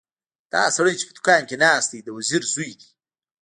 دا سړی چې په دوکان کې ناست دی د وزیر زوی دی.